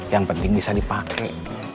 yang penting bisa dipake